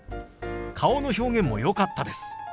顔の表現もよかったです。